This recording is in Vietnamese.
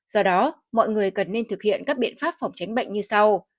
do đó mọi người cần nên thực hiện các biện pháp phòng tránh bệnh như sau